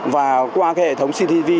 và qua hệ thống ctv